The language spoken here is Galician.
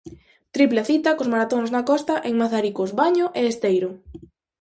Tripla cita cos maratóns na Costa en Mazaricos, Baño e Esteiro.